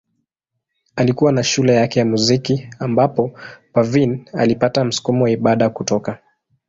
Alikuwa na shule yake ya muziki ambapo Parveen alipata msukumo wa ibada kutoka.